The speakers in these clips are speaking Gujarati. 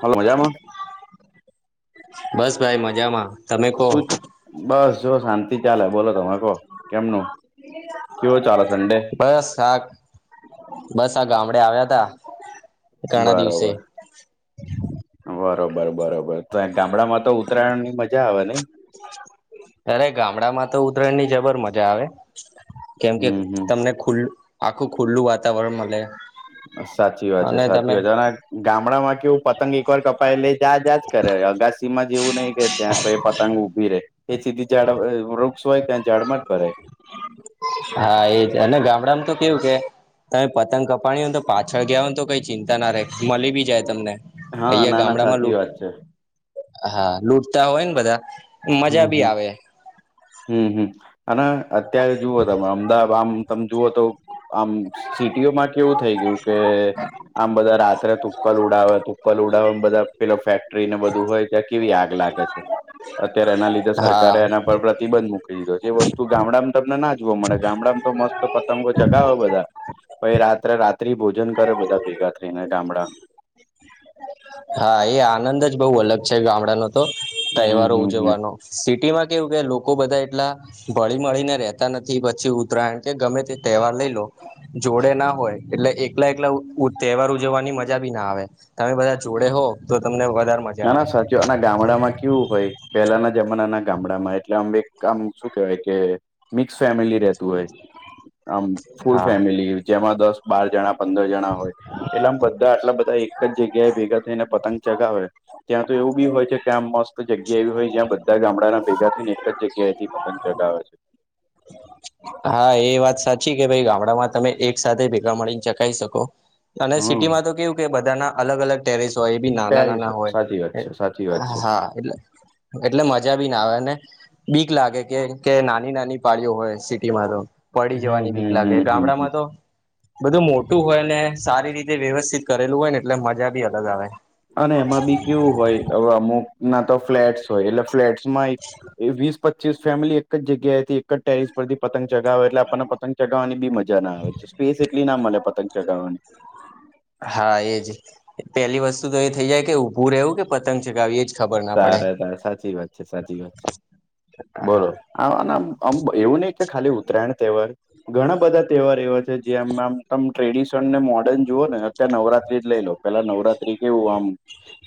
હાલો મજામાં બસ ભાઈ મજામાં. તમે કહો [unintelligible] બસ જો શાંતિ ચાલે બોલો તમે કહ કેમનું કેવો ચાલે સંડે. બસ આા બસ આ ગામડે આવ્યા તા ઘણા દિવસે બરોબર બરોબર બરોબર તો એ ગામડામાં તો ઉતરાયણ ની મજા આવે નઈ અરે ગામડા માં તો ઉતરાયણ ની જબર મજા આવે. કેમ કે હમ હમ તમને ખુલ્લું આખું ખુલ્લું વાતાવરણ મલે. સાચી વાત છે સાચી વાત અને ગામડામાં કેવું પતંગ એક વાર કપાયે એટલે જા જાાજ કરે અગાસી માં જેવું ને કે ત્યાં કોઈ પતંગ ઉઊભી રે એ સીધી ઝાડ વૃક્ષ હોય ત્યાં ઝાડમાં જ ભરે હા એજ અને ગામડામાં તો કેવું કે તમે પતંગ કપાડી હોને તો પાછળ ગયા હો ને તો કઈ ચિંતા ના રહેે મળી બી જાય તમને હા અહિયાં નાના ગામડામાં સાચી લૂટ વાત છે. હા લૂટતા હોય ને બધા હમ મજા બી હમ આવે. હમ હમ અને અત્યારે જુઓ તમે અમદાવાદ આમ તમે જુઓ તો. આમ સિટીઓમાં કેવું થઈ ગયું કે આમ બધા રાત્રે તુક્કલ ઉડાવે હતું. કલ ઉડાવવા બધા પેલા ફેક્ટરીને બધું હોય ત્યાં કેવી આગ લાગે છે. અત્યારે એના લીધે હા સરકારે એના પર. પ્રતિબંધ મૂકી દીધો છે એ વસ્તુ ગામડામાં તમને ના જોવા મળે ગામડામાં તો મત પતંગો ચગાવે બધા. ભ રાત્રે રાત્ર્રી ભોજન કરે બધા ભેગા થઈને ગામડા. હા એ આનંદ જ બહુ અલગ છે, ગામડાનો તો હમ તહેવારો હમ હમ ઉજવવાનો સિટી માં કેવું કે લોકો બધા એટલા ભળી મળીને રતા નથી પછી ઉત્તરાયણ કે ગમે તે તહેવાર લઈ લો જોડે ના હોય એટલે એકલા એકલા તહેવાર ઉજવવાની મજા બી ના આવે તમે બધા જોડે હો તો તમને વધારે. મજા ના આવે ના સા ના ગામડામાં કેવું હોય પહેલાના જમાનાના ગામડામાં એટલે આમ એક આમ શું કેવાય કે મિક્સ ફેમિલી રતું હોય આમ ફૂલ હા ફેમિલી જેમાં દસ. બાર જણા પંદર જણા હોય એટલામ બધા આટલા બધા એક જ જગ્યાએ ભેગા થઈને પતંગ ચગાવે. ત્યાં તો એવું બી હોય છે કે આમ મસ્ત જગ્યા એવી હોય જ્યાં બધા ગામડાના ભેગા થઈને એક જગ્યાએ હતી. પત ચગાવ છે. હા એ વાત સાચી કે ભાઈ ગામડામાં તમે એક સાથે ભેગા મળીને ચકાી શકો. અને હમ સિટી માં તો કેવું કે બધાના અલગ અલગ ટેરસ હોય એ બી નાના સારી નાના હોય સાચી વાત છે સાચી વાત છે હા. એટલે એટલે મજા બી ના આવે ને બીક લાગે કે કે નાની નાની પાળીઓ હોય સિટીમાં તો પડી હમ જવાની બીક હમ હમ લાગે હમ હમ ગામડામાં તો બધું મોટું હોય ને સારી રીતે વ્યવસ્થિત કરેલું હોય ને એટલે મજા ભી અલગ આવે અને એમાં બી કેવું હોયવે અમુક ના તો ફ્લેટ્સ હોય એટલે ફ્લેટ્સમાં એક વીસ પચ્ચીસ ફેમિલી એક જગ્યાએથી એક જ ટેરસ પરથી પતંગ ચગાવે એટલે આપણને પતંગ ચગાવવાની બી મજા ના આવે છે. સ્પેસ એટલી ના મળે પતંગ ચગાવવાની હા એ જ પેલી વસ્તુ તો એ થઇ જાય કે ઊભું રહેવું કે પતંગ ચગાવીએ જ સાર ત સાચી વાત છે સાચી વાત છે, બોલો હામ એવું નહી કે ખાલી ઉતરાયણ તેવ ઘણા બધા તહેવાર એવા છે જેંમ આમ તમે ટ્રેડિશન ને મોર્ડર્ન જુઓ ને અત્યારે નવરાત્રી જ લઈ લો પેલા નવરાત્રી કેવું આમ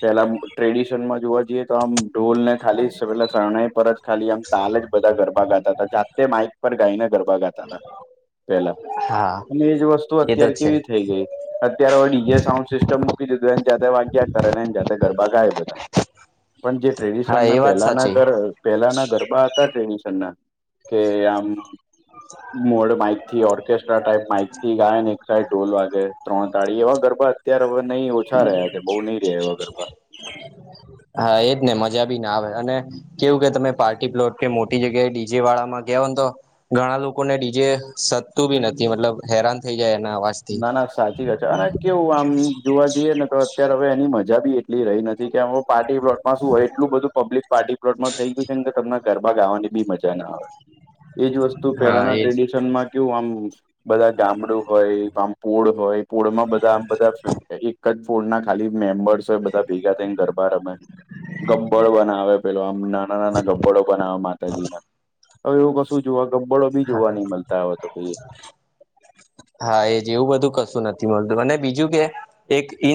પેલા ટ્રેડિશન માં જોવા જઈએ તો આમ ઢોલ ને ખાલી પેલા શરણાઈ પરત ખાલી આમ તાલ જ બધા ગરબા ગાતા હતા જાતે માઇક પર ગાઈ ને ગરબા ગાતા. પેલા હા અને એજ વસ્તુ એ તો અત્યારે છે કેવી થઈ ગઈ. અત્યારે હ ડીજે સાઉન્ડ સિસ્ટમ મૂકી દીધું એને જાતે વાગ્યા કરે ને એને જાતે ગરબા ગાય, બધા પણ જે હા ટ્રેડિશન એ ના વાત પહેલાના સાચી ઘર પેલાના ગરબા હતા ટેન્શન ના કે આમ મોડ માઈક થી ઓર્કેસ્ટ્રા ટાાઈપ માઈક થી ગાય ને એક સાઈડ ઢોલ વાગે. ત્રણ તાળી એવા ગરબા અત્યારે હવે નહીં ઓછા રહ્યા છે બહુ નહી, હોય હ્યા એવા ગરબા હા એજ ને મજા બી ના આવે અને કેવું કે તમે પાર્ટી પ્લોટ કે મોટી જગ્યાએ ડીજે વાળા માં ગો ને તો ઘણા લોકોને ડીજે સતતું બી નથી મતલબ હેરાન થઈ જાય એના વાય. ના ના સાચી વાત છે અને કેવું આમ. જોવા જઈએ ને તો અત્યારે હવે એની મજા બી એટલી રહી નથી કે એ પાર્ટી. પ્લોટમાં શું હોય એટલું બધું પબ્લિક પાર્ટી પ્લોટમાં થઈ ગયું છે કે તમ ઘરબા ગાવાની બી મજા ના આવે. એજ વસ્તુ હા પહેલાના એજ ટ્રેડિશન માં. કેું આમ બધા ગામડું હોય આમ પૂળ હોય. પોળમાં બધા આમ બધા ફ એક જ બોર્ડ ના ખાલી મેમ્બર્સ હોય બધા ભેગા થઈને ગરબા રમે. ગબ્બળો બનાવે પેલો આમ નાના નાના ગબ્બળો બનાવે માતાજીના હવે એવું કશું જોવા ગબ્બળો બી હા જોવા નહી મળતા હોય તો કઈ. હા એજ એવું બધું કશું નથી મળતું મને બીજું કે. એક ઇ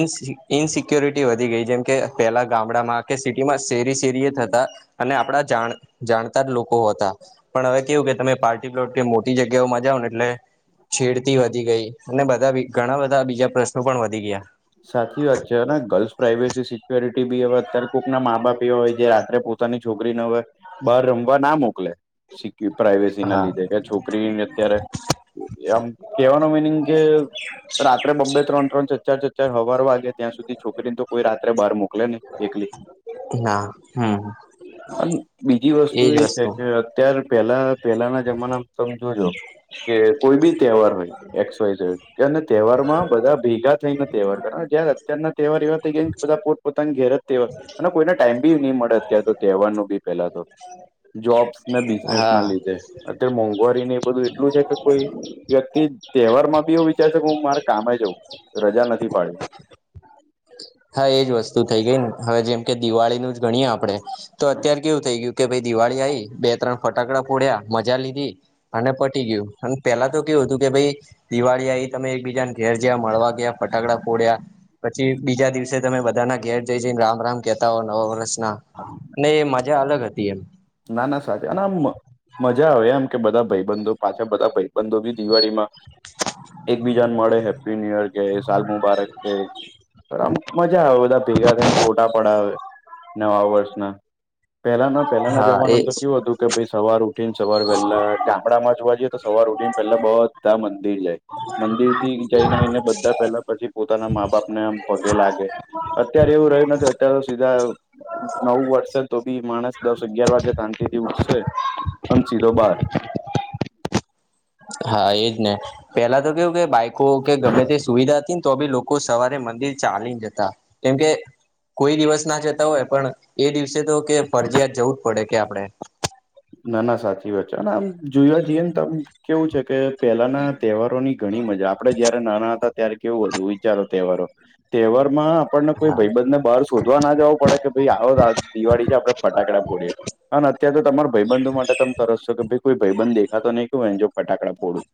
ઇનસિક્યોરિટી વધી ગઈ જેમ કે પહેલા ગામડામાં કે સિટીમાં શેરી શેરીએ થતા. અને આપણા જાણ જાણતા લોકો હતા. પણ હવે કેવું કે તમે પાર્ટી પ્લોટ કે મોટી જગ્યાઓ માં જાઓાવ ને એટલે છેડતી વધી ગઈ અને બધા ઘણા બધા બીજા પ્રશ્નો પણ વધી ગયા. સાચી વાત છે હ ગર્લ્સ પ્રાાઈવેસી સિક્યોરિટી બી હવે અત્યારે કોઈકના મા બાપ એવા હોય જે રાત્રે પોતાની છોકરીને હવે બહાર રમવા ના મોકલે. સ પ્રાાઈવેસી ના હા લીધે કે છોકરીને અત્યારે એમ કેવાનું મિનિંગ કે રાત્રે બબ્બે ત્રણ ત્રણ ચ ચાર. ચાર હવાર વાગે ત્યાં સુધી છોકરીને તો કોઈ રાત્રે બહાર મોકલે નહી એકલી. ના હમ. અન બીજી વસ્તુ એ છે કે અત્યાર પહેલા પહેલાના જમાનામાં તમે જોજો. કે કોઈ બી તહેવાર હોય એક્સ વાઇ ઝેડ કે અને તહેવાર માં બધા ભેગા થઈ ને તહેવારબ જ્યારે અત્યારના તહેવાર એવા થ ગયા કે બધા પોતાની ઘેર જ તેહેવાર. અને કોઈને ટાઈમ બી નહી મળે અત્યારે તો તહેવાર ન બી પેલા તો. જોબ્સ ને બિઝનેસ ના હા લીધે એટલે મોંઘવારી ને એ બધું એટલું છે કે કોઈ. વ્યક્તિ તહેવાર માં બી એવું વિચાર છે કે હું મારે કામે જઉં રજા નથી પાડ્યો. હા એજ વસ્તુ થઈ ગઈ ને હવે જેમ કે દિવાળીનું જ ગણીએ આપડે તો અત્યાર કેવું થઇ ગયું. કે ભાઈ દિવાળી આવીઈ બે ત્રણ ફટાકડા ફોડ્યા મજા લીધી. અને પટી ગયું અને પેલા તો કેવું હતું કે ભાઈ. દિવાળી આવી તમે એકબીજા ને ઘેર જયા મળવા ગયા ફટાકડા ફોડ્યા પછી બીજા દિવસે. છે બધાના ઘેર જઈ જઈને રામ રામ કેતા હો નવ વર્ષના અને એ મજા અલગ હતી એમ. ના ના સાચ અને આમ. મજા આવે એમ કે બધા ભાઈબંધો પાછા બધા ભાઈબંધો બી દિવાળીમાં એકબીજાને મળે હેપી ન્યુ યર કે સાલ મુબારક કે આમ મજા આવે બધા ભેગા થઈને ફોટા પડાવે. નવા વર્ષના પહેલાના પેલાના. હા જમાનામાં એજ તો કેવું હતું કે ભાઈ સવાર ઉઠી ને સવાર વેહલા ગામડામાં જોવા જઈએ તો સવાર ઉઠી ને પહેલા બ. બધા મંદિર જાય મંદિર થી જઈને આવીઈને બધા પેલા પછી પોતાના મા બાપને આમ પગે લાગે. અત્યારે એવું રહ્યું નથી અત્યારે તો સીધા નવું વર્ષે તો બી માણસ દસ. અગિયાર વાગે શાંતિ થી ઉઠશે અન સીધો બાર. હા એજ ને પેલા તો કેવું કે બાઈકો કે ગમે તે સુવિધા. તો બી લોકો સવારે મંદિર ચાલી જતા કેમકે. કોઈ દિવસ ના જતા હોય પણ એ દિવસે તો કે ફરજીયાત જવું જ પડે કે આપડણે. ના ના સાચી વાત છે અને આમ જોયા જઈએ ને તમ કેવું છે કે. પેલાના તહેવારોની ઘણી મજા આપડણે જયારે નાના હતા. ત્યારે કેવું હતું વિચારો તહેવારો, તહેવાર માં આપણને કોઈ હા ભયબંધ ને બાર શોધવા ના જવો પડે, કે ભાઈ આવો આજ દિવાળી છે આપડે ફટાકડા ફોડીએ, અને અત્યારે તો તમારૂ ભાઈબંધો માટે તમે તરસો કે ભાઈ કોઈ ભાઈબંધ દેખા તો નહીં કવ એને જો ફટાકડા ફોડું.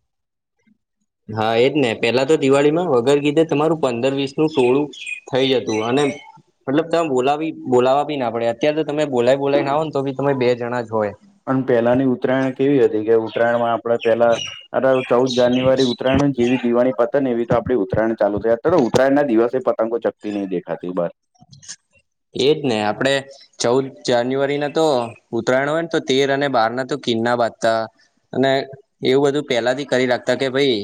હા એજ ને પેલા તો દિવાળી માં વગર કીધે તમારું પંદર વીસ નું ટોળું થઈ જતું અને. મતલબ તમે બોલાવી બોલાવવા બી ના પડે અત્યારે તો તમે બોલાય બોલાય ના હોય ને તો બી તમે બે જણા જ હોય. પણ પહેલાની ઉત્તરાયણ કેવી હતી કે ઉત્તરાયણમાં આપણે પેલા. અરે ચૌદ જાન્યુઆરી, ઉત્તરાયણ જેવી દિવાણી પત એવી તો આપણી ઉત્તરાયણ ચાલુ થાય, અતયારતો ઉતરાયણના દિવસે પતંગો ચકતી નહી દેખાતી બાર. એજને આપડે. ચૌદ જાન્યુઆરી ના તો ઉત્તરાયણ હોય ને તો તેર અને બાર ના તો કિન્ના બાજતા. અને એવું બધું પેલાથી કરી રાખતા કે ભાઈ.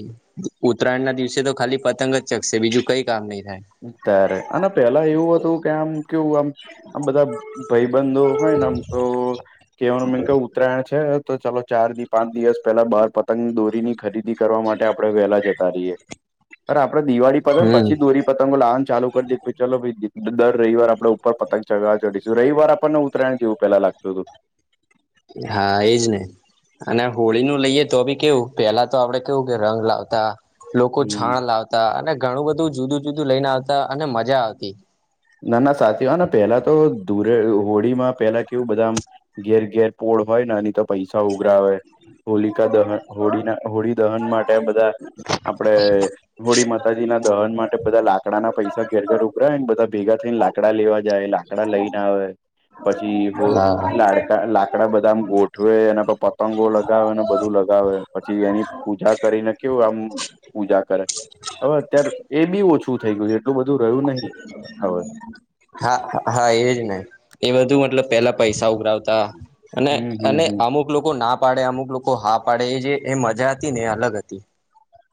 ઉત્તરાયણ ના દિવસે તો ખાલી પતંગ જ ચકશે બીજું કઈ કામ નહી થાય. ત્યારે, અને પેલા એવું હતું કે આમ. કેવું આમ, આમ બધા ભાઈબંધો હોયને આમ તો. કેવાનું મીન તો ઉત્તરાયણ છે. તો ચાલો ચાર થી પાંચ દિવસ પેલા બાર પતંગની દોરીની ખરીદી કરવા માટે આપડણે વેલા જતા રહીયએ. પર આપડે દિવાળી પતેને હમ પછી દોરી. પતંગો લહાન ચાલુ કરી દે, ચલો ભાઈ દ દર રવિવાર આપડે ઉપર પતંગ ચગવા ચઢીશું રવિવાર આપણને ઉતરાયણ થયું. પેલા લાગતું હતું. હા એજ ને. અને હોળી નું લઈએ તો બી કેવું, પેલા તો આપડે કેવું કે રંગ લાવતા. લોકો હમ છાણ લાવતા, અને ઘણું બધું જુદું જુદું લઈને આવતા, અને મજા આવતી. ના ના સાચી, હને પેલા તો ધૂરે હોળીમાં પેલા કેવું બધા. ઘેર ઘેર પોળ હોય ને, એની તો પૈસા ઉઘરાવે. હોલિકા દહન, હોળીના હોળી દહન માટે બધા. આપડે હોળી માતાજી ના દહન માટે બધા લાકડા ના પૈસા ઘેર ઘર ઉભરાયને બધા. ભેગા થઈને લાકડા લેવા જાય લાકડા લઈને આવે, પછી હો હા લાડકા લા કડા બધા ગોઠવે, એના પર પતંગો લગાવે ને બધું લગાવે, પછી એની. પૂજા કરીને કેવું આમ, પૂજા કરે. હવે અત્યારે એ બી ઓછું થઈ ગયું છે, એટલું બધું રહ્યું નહી. હવે હા હા એજ ને, એ બધું મતલબ પેલા પૈસા ઉઘરાવ તા, અને હમ હમ અને હમ અમુક. મુક લોકો ના પાડે, અમુક લોકો હા પાડે, એ જે એ મજા હતી ને, એ અલગ હતી.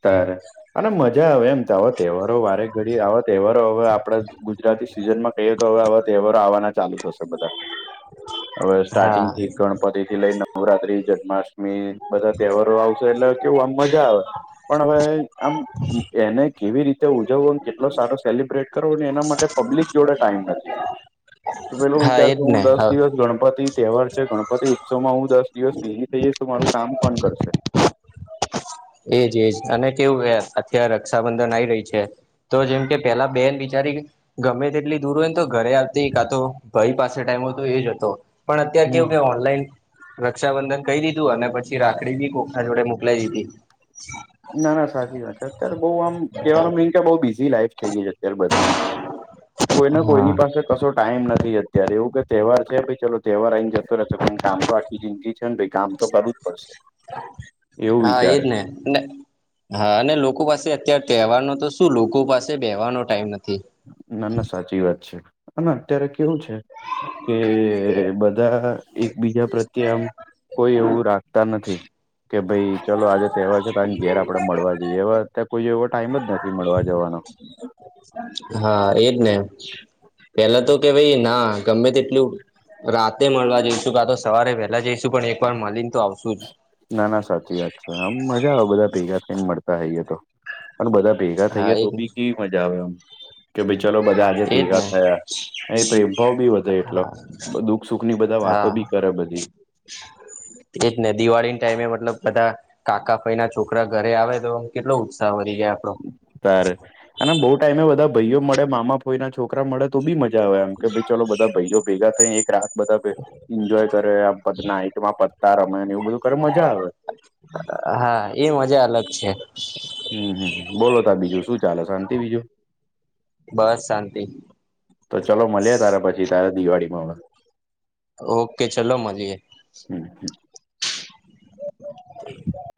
ત્યારે, અને મજા આવે એમ, તા હો તહેવારો વારે ઘડીએ આવા તહેવારો હવે આપણા ગુજરાતી સિઝન માં કહીએ તો હવે આવા તહેવારો આવવાના ચાલુ થશે બધા. [inaudible] હવે હા સ્ટાર્ટિંગ થી ગણપતિ. થી લઈને નવરાત્રી, જન્માષ્ટમી બધા તહેવારો આવશે, એટલે કેવું આમ મજા આવે. પણ હવે આમ. એને કેવી રીતે ઉજવવો, અને કેટલો સારો સેલિબ્રેટ કરવો, એના માટે પબ્લિક જોડે ટાઈમ નથી. [inaudible] કે પેલો એજ વિચારશું ને હું દસ હા દિવસ ગણપતિ. તહેવાર છે, ગણપતિ ઉત્સવ માં હું દસ દિવસ ડેલી થઈ જઈશ, તો મારું કામ પણ કરશે? એજ એજ અને કેવું એ, અત્યારે રક્ષાબંધન આઈ રહી છે. તો જેમ કે પેલા બેન વિચારી ગમે તેટલી દૂર હોય ને તો ઘરે આવતી, કા તો ભાઈ પાસે ટાઈમ હો તો એ જતો. પણ અત્યારે હમ કેવું કે ઓનલાઈન. રક્ષાબંધન કહી દીધું અને પછી રાખડી બી કોખા જોડે મોકલાય દીધી. ના ના સાચી વાત છે અત્યારે બહુ આમ કવાનું મિન કે બહુ બિઝી લાઈફ થઈ ગઈ છે અત્યારે બધાની. કોઈને હા કોઈની પાસે કશો ટાઈમ નથી અત્યારે એવું કે તહેવાર છે ભ ચલો તહેવાર ર આવીને જતો રહેશે પણ કામ તો આટલી જિંદગી છે ને ભાઈ કામ તો કરવું જ પડશે. એવું વિચારે. [unintelligible] હાને, લોકો પાસે અત્ય્યારે તહેવારનો તો શું લોકો પાસે બેહવાનો ટાઈમ નથી. ના ના સાચી વાત છે, અને અત્યારે કેવું છે. [inaudible] કે બધા એકબીજા પ્રત્યે આમ કોઈ એવું રાખતા નથી. કે ભાઈ ચાલલો આજે તહેવાર છે તો આ ઘેર આપડે મળવા જઈએ એવા અ્યા્યારે કોઈ એવો ટાઈમ જ નથી મળવા જવાનો. હા એજ ને, પેલા તો કેવાય ના ગમે તેટલું- રાતે મળવા જઈશું કા તો સવારે વહેલા જઈશું પણ એક વાર મળી ને તો આવશુ જ. ના ના સાચી વાત છે આમ મજા આવે બધા ભેગા થઈને મળતા હઈય તો, પણ બધા ભેગા હા થઈએ તો એજ બી કેવી મજા આવે એમ, કે ભાઈ ચલો બધા આજે એજ ભેગા ને થયા. એ પ્રેમભાવ બી વધે એટલો, દુખ સુખ ની બધા વાતો બી કરે બધી. તેજ ને દિવાળી ટાઈમે મતલબ બધા કાકા ફય ના છોકરા ઘરે આવે તો કેટલો ઉત્સાહ વધરી ગયા ત્યારે અને બહુ ટાઈમે બધા ભાઈઓ મળે મામા ભ હોઈના છોકરા મળે. તો બી મજા આવે એમ કે ભાઈ ચલો બધા ભાઈઓ ભેગા થઈ એક રાત બધા એન્જોય કરે નાઈટમાં પતા રમે ને એવું બધું કરે મજા આવે. હા એ મજા અલગ છે. હમ હમ બોલો ત બીજું શું ચાલે શાંતિ બીજું? બસ શાંતિ. તો ચાલલો મળ્યા તારે પછી તારે દિવાળી માં અવે. ઓકે ચલો મલીએ. હમ હમ. બ. [inaudible]